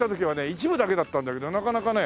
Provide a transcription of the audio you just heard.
一部だけだったんだけどなかなかね